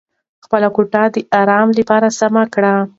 خپله کوټه د ارام لپاره سمه کړه.